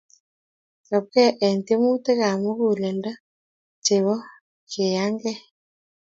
Chopkei eng tiemutikap muguleldo chebo keiyangei